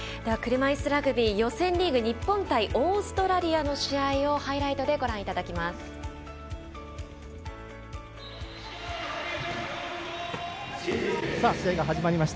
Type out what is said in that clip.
車いすラグビー予選リーグ日本対オーストラリアの試合をハイライトでご覧いただきます。